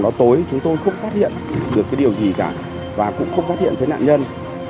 vào tối chúng tôi không phát hiện được cái điều gì cả và cũng không phát hiện thấy nạn nhân